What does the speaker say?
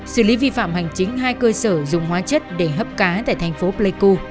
xử lý vi phạm hành chính hai cơ sở dùng hóa chất để hấp cá tại thành phố pleiku